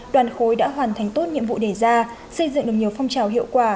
đoàn khối đã hoàn thành tốt nhiệm vụ đề ra xây dựng được nhiều phong trào hiệu quả